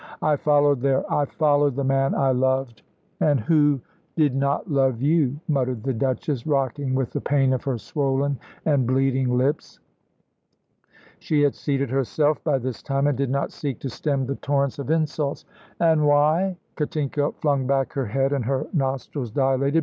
I followed there; I followed the man I loved " "And who did not love you," muttered the Duchess, rocking with the pain of her swollen and bleeding lips. She had seated herself by this time, and did not seek to stem the torrents of insults. "And why?" Katinka flung back her head and her nostrils dilated.